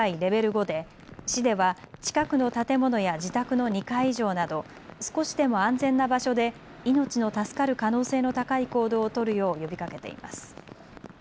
５で市では近くの建物や自宅の２階以上など少しでも安全な場所で命の助かる可能性の高い行動を取るよう呼びかけています。